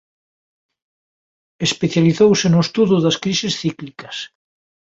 Especializouse no estudo das crises cíclicas.